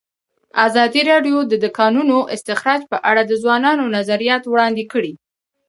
ازادي راډیو د د کانونو استخراج په اړه د ځوانانو نظریات وړاندې کړي.